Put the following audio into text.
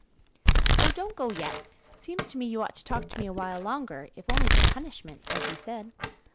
"Oh, don't go yet; seems to me you ought to talk to me a while longer, if only for punishment, as you said."